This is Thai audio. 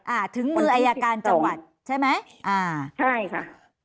อ่าถึงมืออายการจังหวัดใช่ไหมอ่าใช่ค่ะ